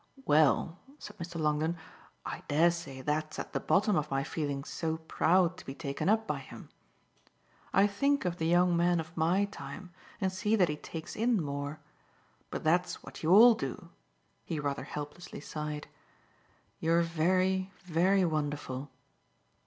"Well," said Mr. Longdon, "I dare say that's at the bottom of my feeling so proud to be taken up by him. I think of the young men of MY time and see that he takes in more. But that's what you all do," he rather helplessly sighed. "You're very, very wonderful!"